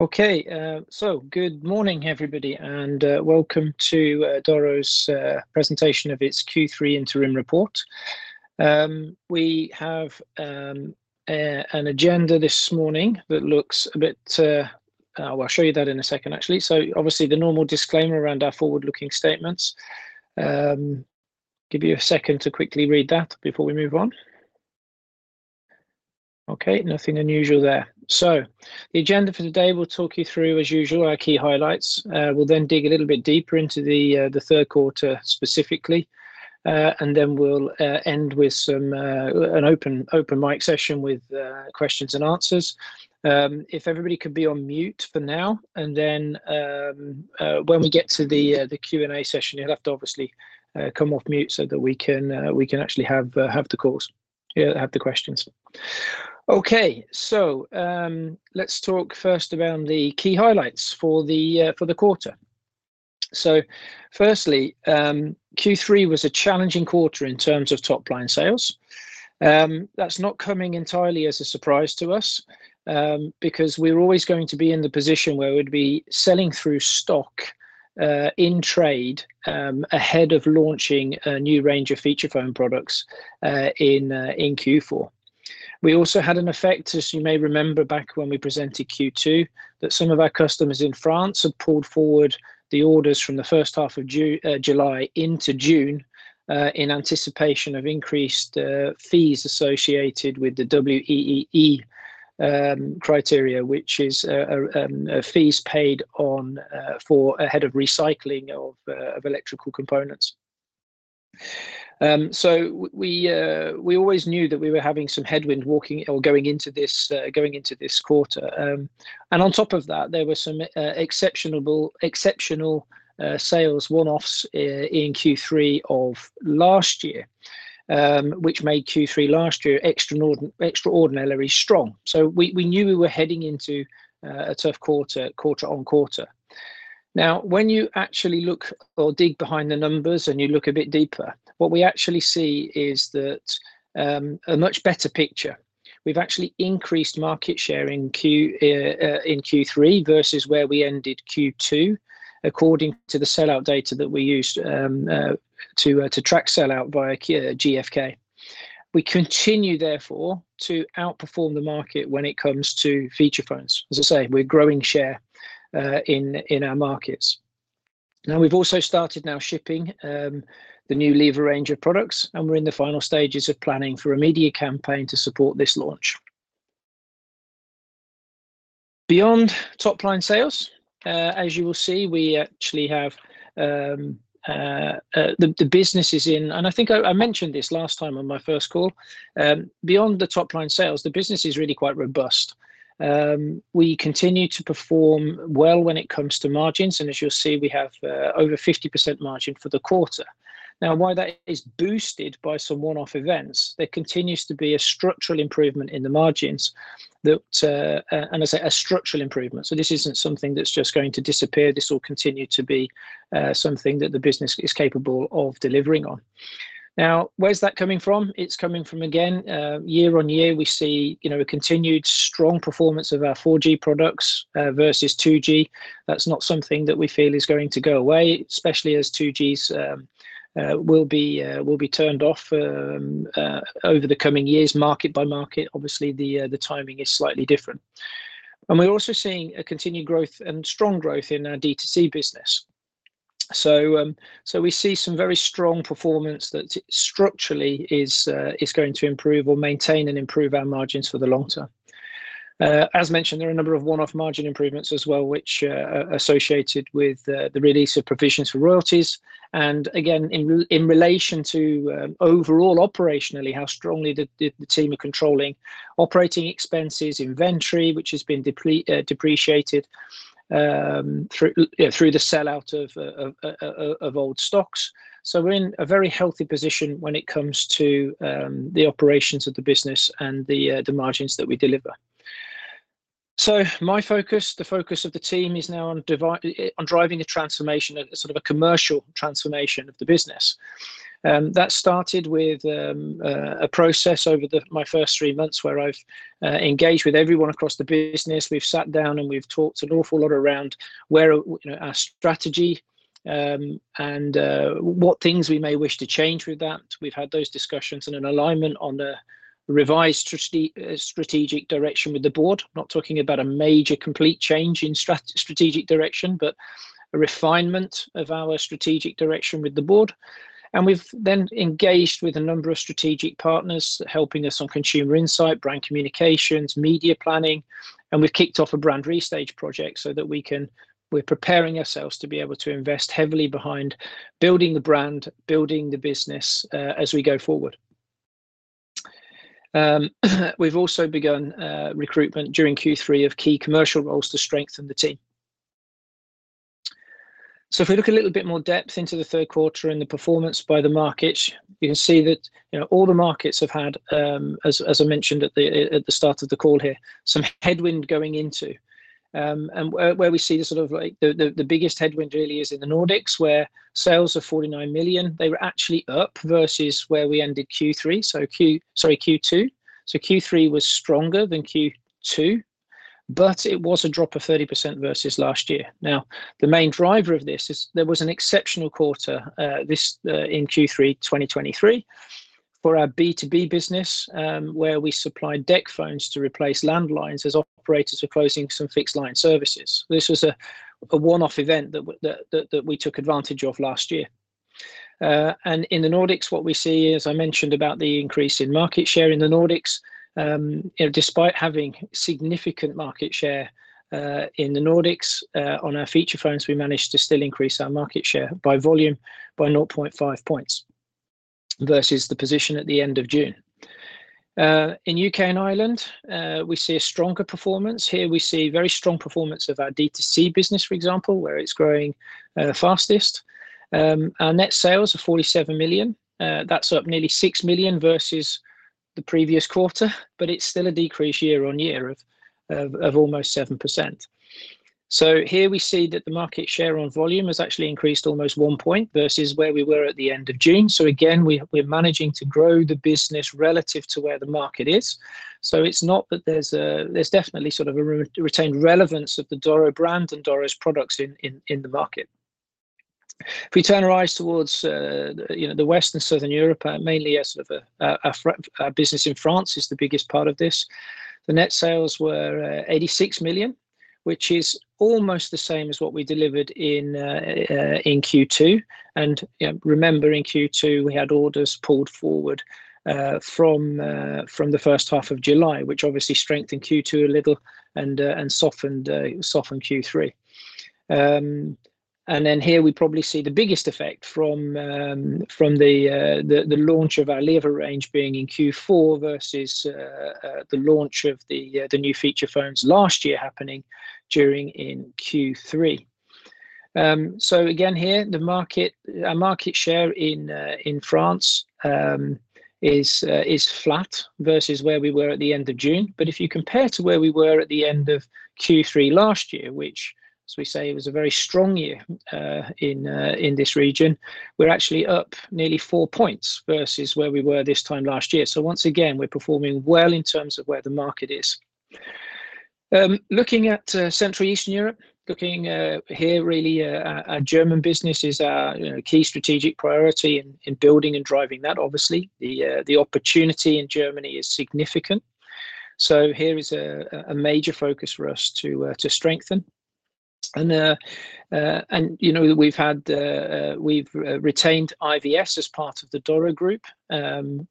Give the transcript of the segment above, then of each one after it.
Okay, so good morning, everybody, and welcome to Doro's Presentation of its Q3 Interim Report. We have an agenda this morning that looks a bit. Well, I'll show you that in a second, actually. So obviously, the normal disclaimer around our forward-looking statements. Give you a second to quickly read that before we move on. Okay, nothing unusual there. So the agenda for today, we'll talk you through, as usual, our key highlights. We'll then dig a little bit deeper into the third quarter, specifically, and then we'll end with some an open mic session with questions and answers. If everybody could be on mute for now, and then, when we get to the Q&A session, you'll have to obviously come off mute so that we can actually have the questions. Okay, so let's talk first around the key highlights for the quarter. So firstly, Q3 was a challenging quarter in terms of top-line sales. That's not coming entirely as a surprise to us, because we're always going to be in the position where we'd be selling through stock in trade ahead of launching a new range of feature phone products in Q4. We also had an effect, as you may remember, back when we presented Q2, that some of our customers in France had pulled forward the orders from the first half of July into June in anticipation of increased fees associated with the WEEE criteria, which is fees paid for recycling of electrical components. So we always knew that we were having some headwind going into this quarter. And on top of that, there were some exceptional sales one-offs in Q3 of last year, which made Q3 last year extraordinarily strong. So we knew we were heading into a tough quarter on quarter. Now, when you actually look or dig behind the numbers and you look a bit deeper, what we actually see is that a much better picture. We've actually increased market share in Q3 versus where we ended Q2, according to the sell-out data that we used to track sell-out via GfK. We continue, therefore, to outperform the market when it comes to feature phones. As I say, we're growing share in our markets. Now, we've also started now shipping the new Leva range of products, and we're in the final stages of planning for a media campaign to support this launch. Beyond top-line sales, as you will see, we actually have the business is in. And I think I mentioned this last time on my first call. Beyond the top-line sales, the business is really quite robust. We continue to perform well when it comes to margins, and as you'll see, we have over 50% margin for the quarter. Now, while that is boosted by some one-off events, there continues to be a structural improvement in the margins that, and I say a structural improvement, so this isn't something that's just going to disappear. This will continue to be something that the business is capable of delivering on. Now, where's that coming from? It's coming from, again, year on year, we see, you know, a continued strong performance of our 4G products versus 2G. That's not something that we feel is going to go away, especially as 2Gs will be turned off over the coming years, market by market. Obviously, the timing is slightly different. And we're also seeing a continued growth and strong growth in our D2C business. So we see some very strong performance that structurally is going to improve or maintain and improve our margins for the long term. As mentioned, there are a number of one-off margin improvements as well, which associated with the release of provisions for royalties. And again, in relation to overall operationally, how strongly the team are controlling operating expenses, inventory, which has been depreciated through, you know, through the sell-out of old stocks. So we're in a very healthy position when it comes to the operations of the business and the margins that we deliver. So my focus, the focus of the team, is now on driving a transformation, a sort of a commercial transformation of the business. That started with a process over the my first three months, where I've engaged with everyone across the business. We've sat down and we've talked an awful lot around where, you know, our strategy, and what things we may wish to change with that. We've had those discussions and an alignment on a revised strategic direction with the board. Not talking about a major, complete change in strategic direction, but a refinement of our strategic direction with the board. And we've then engaged with a number of strategic partners, helping us on consumer insight, brand communications, media planning, and we've kicked off a brand restage project so that we can- we're preparing ourselves to be able to invest heavily behind building the brand, building the business, as we go forward. We've also begun recruitment during Q3 of key commercial roles to strengthen the team. So if we look a little bit more depth into the third quarter and the performance by the market, you can see that, you know, all the markets have had, as I mentioned at the start of the call here, some headwind going into, and where we see the sort of like the biggest headwind really is in the Nordics, where sales are 49 million. They were actually up versus where we ended Q3, so sorry, Q2. So Q3 was stronger than Q2, but it was a drop of 30% versus last year. Now, the main driver of this is there was an exceptional quarter, this in Q3 2023 for our B2B business, where we supplied DECT phones to replace landlines as operators were closing some fixed line services. This was a one-off event that we took advantage of last year. And in the Nordics, what we see, as I mentioned, about the increase in market share in the Nordics, you know, despite having significant market share in the Nordics on our feature phones, we managed to still increase our market share by volume by 0.5 points versus the position at the end of June. In UK and Ireland, we see a stronger performance. Here we see very strong performance of our D2C business, for example, where it's growing fastest. Our net sales are 47 million. That's up nearly 6 million versus the previous quarter, but it's still a decrease year on year of almost 7%. So here we see that the market share on volume has actually increased almost 1 point versus where we were at the end of June. So again, we're managing to grow the business relative to where the market is. So it's not that there's a... There's definitely sort of a retained relevance of the Doro brand and Doro's products in the market. If we turn our eyes towards, you know, the Western and Southern Europe, mainly as sort of a, our business in France is the biggest part of this. The net sales were 86 million, which is almost the same as what we delivered in Q2. You know, remember, in Q2, we had orders pulled forward from the first half of July, which obviously strengthened Q2 a little and softened Q3, and then here we probably see the biggest effect from the launch of our Leva range being in Q4 versus the launch of the new feature phones last year happening during Q3. So again, here, the market, our market share in France is flat versus where we were at the end of June. But if you compare to where we were at the end of Q3 last year, which, as we say, it was a very strong year in this region, we're actually up nearly 4 points versus where we were this time last year. So once again, we're performing well in terms of where the market is. Looking at Central and Eastern Europe, here, really, our German business is our, you know, key strategic priority in building and driving that, obviously. The opportunity in Germany is significant. So here is a major focus for us to strengthen. You know, we've retained IVS as part of the Doro Group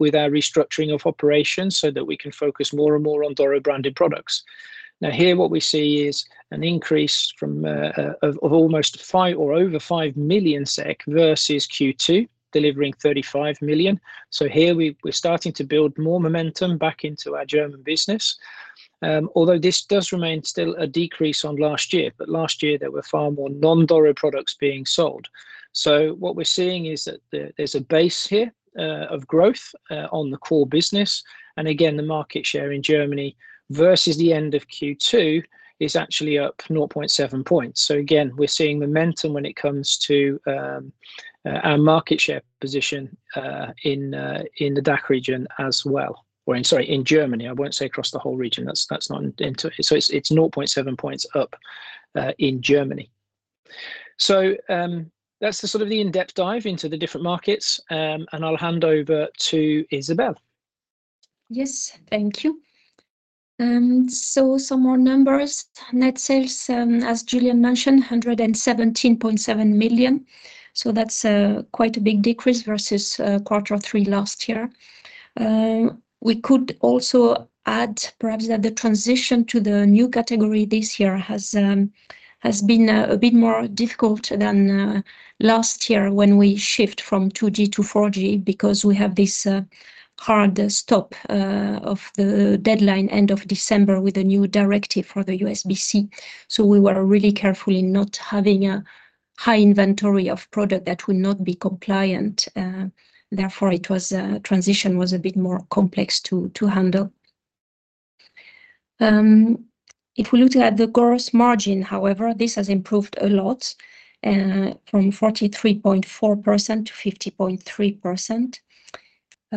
with our restructuring of operations, so that we can focus more and more on Doro-branded products. Now, here what we see is an increase of almost 5 or over 5 million SEK versus Q2, delivering 35 million. Here we're starting to build more momentum back into our German business, although this does remain still a decrease on last year. Last year, there were far more non-Doro products being sold. What we're seeing is that there's a base here of growth on the core business. Again, the market share in Germany versus the end of Q2 is actually up 0.7 points. So again, we're seeing momentum when it comes to our market share position in the DACH region as well, or in, sorry, in Germany. I won't say across the whole region. That's not true, so it's 0.7 points up in Germany. So, that's sort of the in-depth dive into the different markets, and I'll hand over to Isabelle. Yes, thank you. So some more numbers. Net sales, as Julian mentioned, 117.7 million, so that's quite a big decrease versus quarter three last year. We could also add perhaps that the transition to the new category this year has been a bit more difficult than last year, when we shift from 2G to 4G, because we have this hard stop of the deadline, end of December, with the new directive for the USB-C. So we were really careful in not having a high inventory of product that would not be compliant. Therefore, the transition was a bit more complex to handle. If we look at the gross margin, however, this has improved a lot, from 43.4% to 50.3%.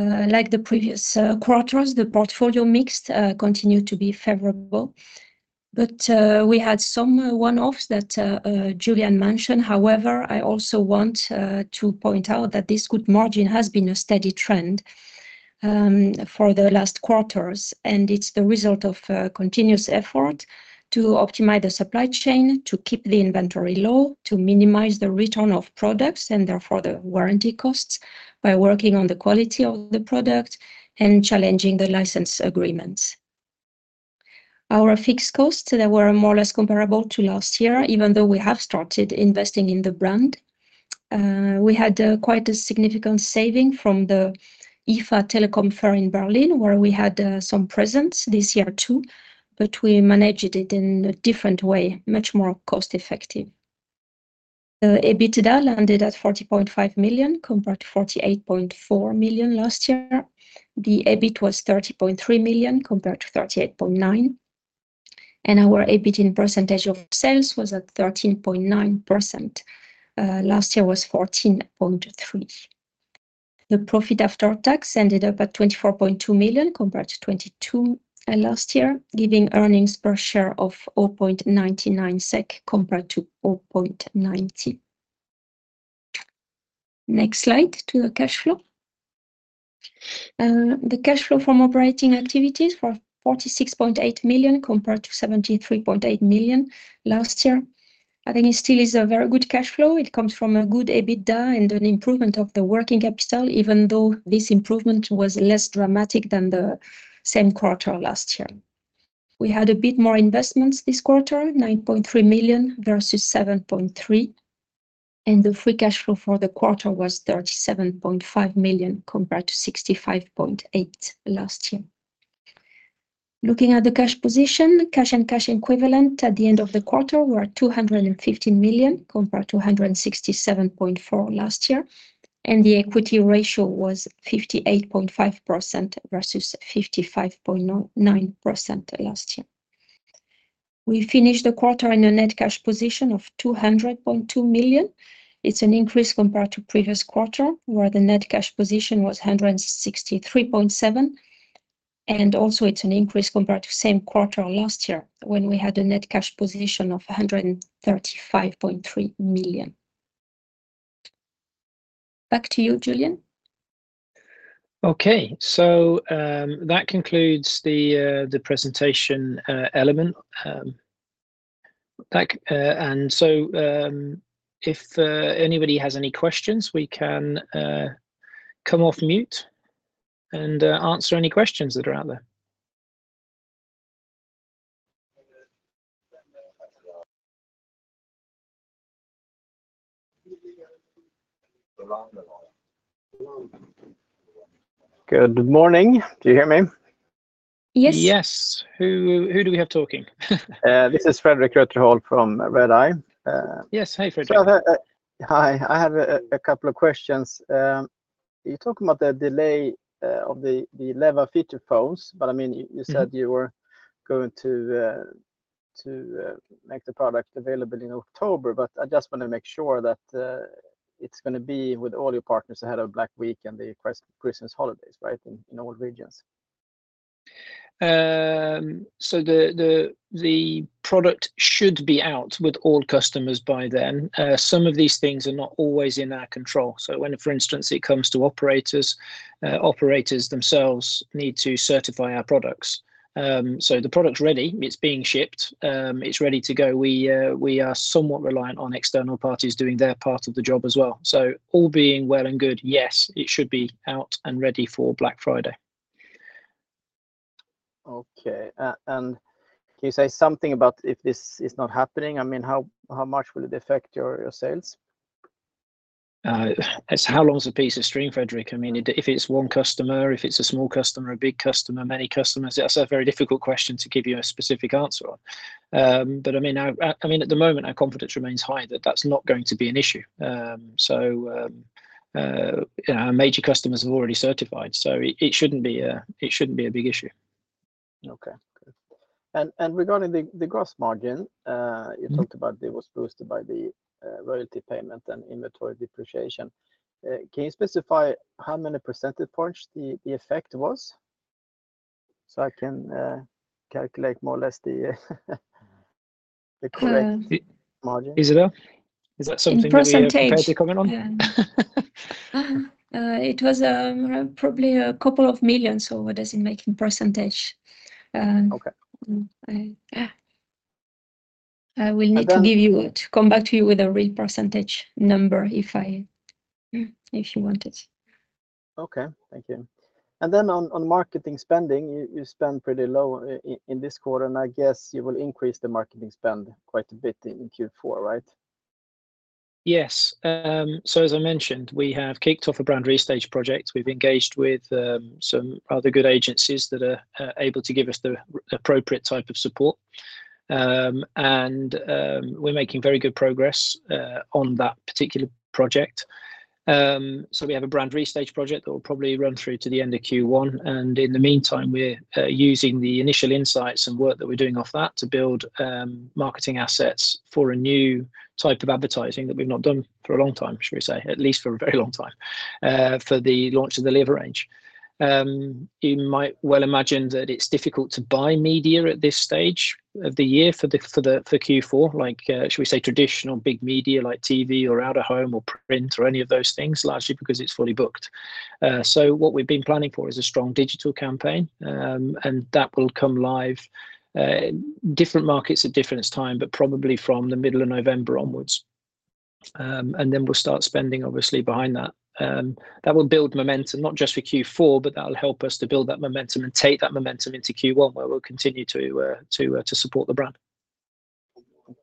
Like the previous quarters, the portfolio mix continued to be favorable, but we had some one-offs that Julian mentioned. However, I also want to point out that this good margin has been a steady trend for the last quarters, and it's the result of continuous effort to optimize the supply chain, to keep the inventory low, to minimize the return of products, and therefore, the warranty costs by working on the quality of the product and challenging the license agreements. Our fixed costs, they were more or less comparable to last year, even though we have started investing in the brand. We had quite a significant saving from the IFA telecom fair in Berlin, where we had some presence this year, too, but we managed it in a different way, much more cost-effective. The EBITDA landed at 40.5 million, compared to 48.4 million last year. The EBIT was 30.3 million, compared to 38.9 million, and our EBIT in percentage of sales was at 13.9%. Last year was 14.3%. The profit after tax ended up at 24.2 million, compared to 22 million last year, giving earnings per share of 4.99 SEK, compared to 4.90. Next slide to the cash flow. The cash flow from operating activities for 46.8 million, compared to 73.8 million last year. I think it still is a very good cash flow. It comes from a good EBITDA and an improvement of the working capital, even though this improvement was less dramatic than the same quarter last year. We had a bit more investments this quarter, 9.3 million versus 7.3 million, and the free cash flow for the quarter was 37.5 million, compared to 65.8 million last year. Looking at the cash position, cash and cash equivalent at the end of the quarter were 215 million, compared to 167.4 million last year, and the equity ratio was 58.5% versus 55.99% last year. We finished the quarter in a net cash position of 200.2 million. It's an increase compared to previous quarter, where the net cash position was 163.7 million, and also it's an increase compared to same quarter last year, when we had a net cash position of 135.3 million. Back to you, Julian. Okay. So, that concludes the presentation element. Back, and so, if anybody has any questions, we can come off mute and answer any questions that are out there. Good morning. Do you hear me? Yes. Yes. Who do we have talking? This is Fredrik Reuterhäll from Redeye. Yes. Hey, Fredrik. Hi. I have a couple of questions. You talk about the delay of the Leva feature phones, but I mean, you- Mm-hmm.... said you were going to make the product available in October, but I just want to make sure that it's gonna be with all your partners ahead of Black Week and the Christmas holidays, right, in all regions. So the product should be out with all customers by then. Some of these things are not always in our control. So when, for instance, it comes to operators, operators themselves need to certify our products. So the product's ready. It's being shipped. It's ready to go. We are somewhat reliant on external parties doing their part of the job as well. So all being well and good, yes, it should be out and ready for Black Friday. Okay, and can you say something about if this is not happening? I mean, how much will it affect your sales? It's how long is a piece of string, Fredrik? I mean, if it's one customer, if it's a small customer, a big customer, many customers, that's a very difficult question to give you a specific answer on. But I mean, at the moment, our confidence remains high that that's not going to be an issue. So, you know, our major customers have already certified, so it shouldn't be a big issue. Okay, good. And regarding the gross margin. Mm-hmm... you talked about it was boosted by the royalty payment and inventory depreciation. Can you specify how many percentage points the effect was? So I can calculate more or less the correct- Uh.... margin. Is it there? Is that something that we- In percentage.... prepared to comment on? Yeah. It was probably a couple of million, so what does it make in percentage? Okay. I will need to give you- And then-... to come back to you with a real percentage number if you want it. Okay, thank you. And then on marketing spending, you spent pretty low in this quarter, and I guess you will increase the marketing spend quite a bit in Q4, right? Yes. So as I mentioned, we have kicked off a brand restage project. We've engaged with some other good agencies that are able to give us the appropriate type of support. And we're making very good progress on that particular project. So we have a brand restage project that will probably run through to the end of Q1, and in the meantime, we're using the initial insights and work that we're doing off that to build marketing assets for a new type of advertising that we've not done for a long time, should we say, at least for a very long time, for the launch of the Leva range. You might well imagine that it's difficult to buy media at this stage of the year for the Q4, like should we say, traditional big media like TV or out-of-home or print or any of those things, largely because it's fully booked, so what we've been planning for is a strong digital campaign, and that will come live, different markets at different time, but probably from the middle of November onwards, and then we'll start spending obviously behind that. That will build momentum, not just for Q4, but that'll help us to build that momentum and take that momentum into Q1, where we'll continue to support the brand.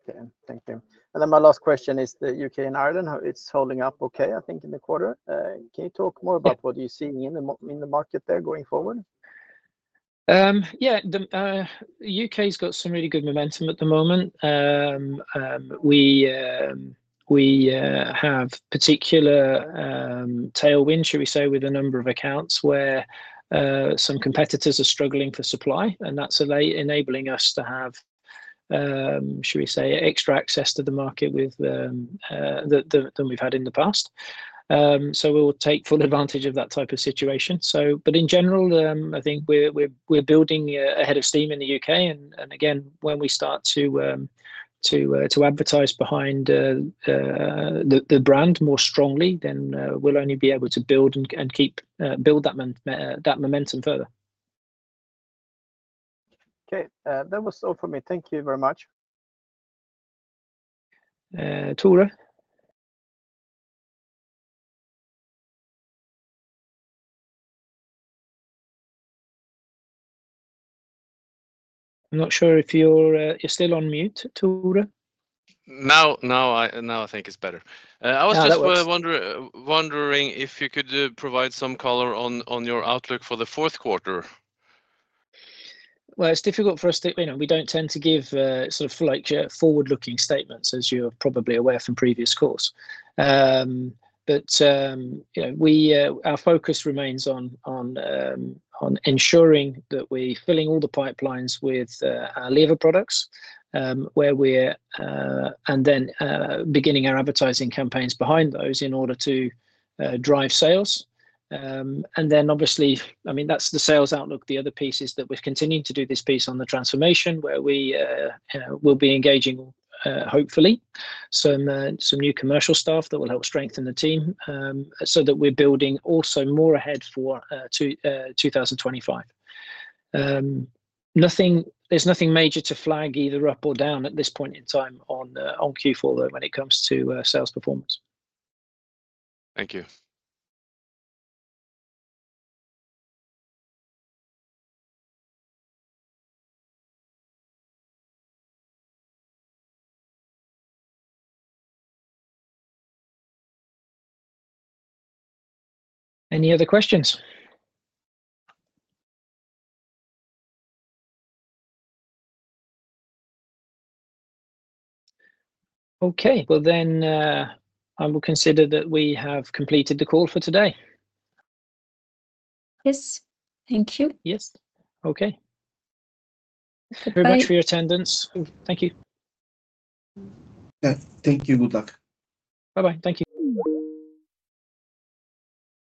Okay, thank you. And then my last question is the UK and Ireland, how it's holding up okay, I think, in the quarter. Can you talk more about- Yeah.... what you're seeing in the market there going forward? Yeah. The U.K.'s got some really good momentum at the moment. We have particular tailwind, should we say, with a number of accounts where some competitors are struggling for supply, and that's enabling us to have, should we say, extra access to the market with than we've had in the past, so we'll take full advantage of that type of situation but in general, I think we're building a head of steam in the U.K., and again, when we start to advertise behind the brand more strongly, then we'll only be able to build and keep that momentum further. Okay, that was all for me. Thank you very much. Tore? I'm not sure if you're still on mute, Tore. I think it's better. Now that works. I was just wondering if you could provide some color on your outlook for the fourth quarter? It's difficult for us to.... You know, we don't tend to give sort of like forward-looking statements, as you're probably aware from previous calls, but you know, we... our focus remains on ensuring that we're filling all the pipelines with our Leva products, where we're... and then beginning our advertising campaigns behind those in order to drive sales, and then obviously, I mean, that's the sales outlook. The other piece is that we're continuing to do this piece on the transformation, where we, you know, will be engaging hopefully some new commercial staff that will help strengthen the team so that we're building also more ahead for 2025. Nothing- there's nothing major to flag either up or down at this point in time on, on Q4, though, when it comes to, sales performance. Thank you. Any other questions? Okay. Well, then, I will consider that we have completed the call for today. Yes, thank you. Yes. Okay. Bye. Thank you very much for your attendance. Thank you. Yeah, thank you. Good luck. Bye-bye. Thank you.